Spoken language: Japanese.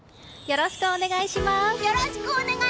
よろしくお願いします！